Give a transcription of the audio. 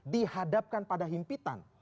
dihadapkan pada himpitan